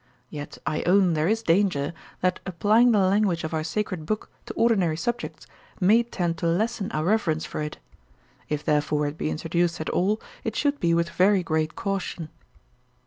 Yet I own there is danger, that applying the language of our sacred book to ordinary subjects may tend to lessen our reverence for it. If therefore it be introduced at all, it should be with very great caution.